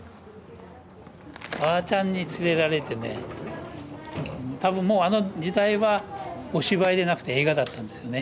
ばあちゃんに連れられてね多分もうあの時代はお芝居でなくて映画だったんですよね。